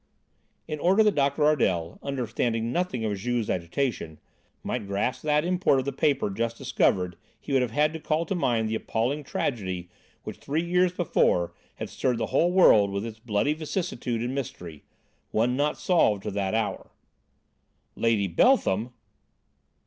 '" In order that Doctor Ardel, understanding nothing of Juve's agitation, might grasp that import of the paper just discovered he would have had to call to mind the appalling tragedy which three years before had stirred the whole world with its bloody vicissitude and mystery, one not solved to that hour. "Lady Beltham!"